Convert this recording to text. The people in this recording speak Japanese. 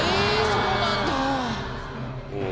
そうなんだ。